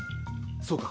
そうか。